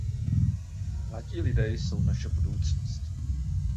Mladí lidé jsou naše budoucnost.